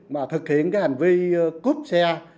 mà thực hiện hành vi cướp xe